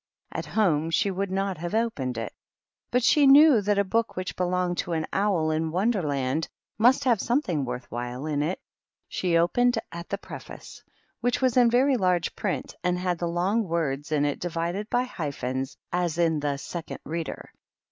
^' At home she would not have opened it, but she knew that a book which belonged to an owl in Wonderland must have something worth while in it. She opened at the preface, which was in very large print, and had the long words in it divided by hyphens, as in the "Second Reader."